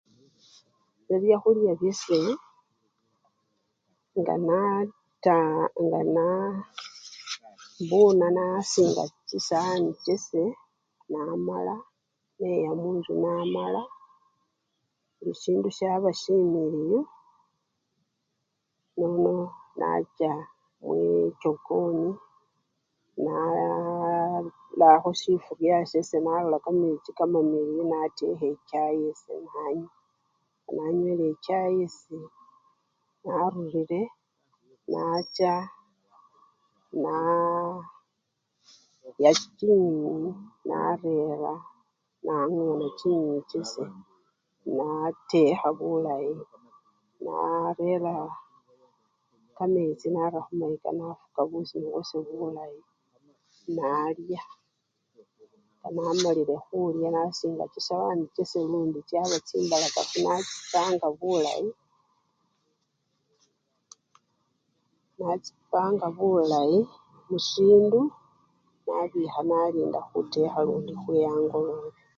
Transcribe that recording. Ese byakhulya byesi nganata! ngana!, imbuna nasinga chipwakuli chase namala neya munjju namala buli sindu syaba similiyu nena! nacha mwichokoni naaarakho sifurya syase, nalola kamechi kamamiliyu natekha echayi yase nanywa, nga nanywele echayi yase narurire nacha na naaya chinyeni narera nangona chinyenyi chase natekha bulayi, narera kamechi nara khumayika nafuka busuma bwase bulayi nalya nga namalile khulya nasinga chipwakuli chase lundi chaba chimbalakafu nachipanga bulayi, nachipanga bulayi musyindu nabikha nalinda khutekha lundi khwe angolobe.